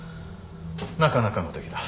なかなかの出来だ。